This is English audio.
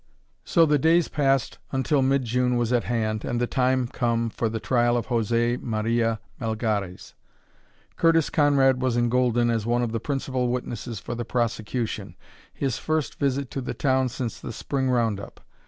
So the days passed until mid June was at hand and the time come for the trial of José Maria Melgares. Curtis Conrad was in Golden as one of the principal witnesses for the prosecution his first visit to the town since the Spring round up.